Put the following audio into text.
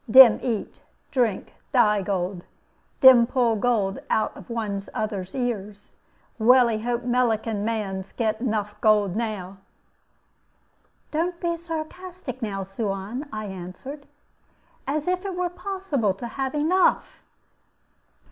"Dem eat, drink, die gold; dem pull gold out of one other's ears. Welly hope Mellican mans get enough gold now." "Don't be sarcastic, now, Suan," I answered; "as if it were possible to have enough!"